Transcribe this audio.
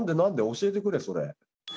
教えてくれそれ。